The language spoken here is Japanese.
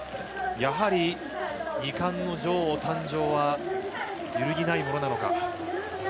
やはり、２冠の女王誕生は揺るぎないものなのか。